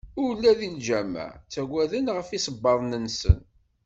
Ula deg lǧameɛ ttagaden ɣef yisebbaḍen-nsen.